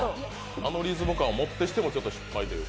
あのリズム感をもってしても失敗という。